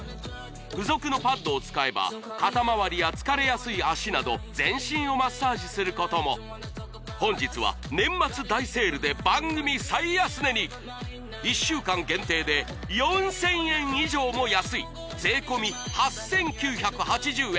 付属のパッドを使えば肩まわりや疲れやすい脚など全身をマッサージすることも本日は年末大セールで番組最安値に１週間限定で４０００円以上も安い税込８９８０円